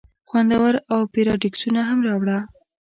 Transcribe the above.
خوندور اوپيراډیسکونه هم راوړه.